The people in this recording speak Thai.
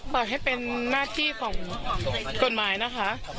เปิดให้เป็นหน้าที่ของกฎหมายนะคะ